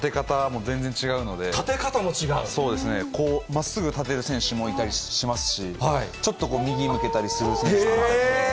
こう、まっすぐ立てる選手もいたりしますし、ちょっと右向けたりする選手もいたり。